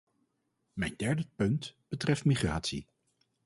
Mijn derde punt betreft migratie.